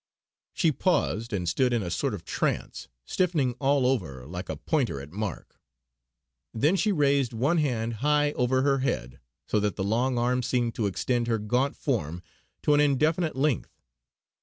She paused and stood in a sort of trance, stiffening all over like a pointer at mark. Then she raised one hand high over her head, so that the long arm seemed to extend her gaunt form to an indefinite length.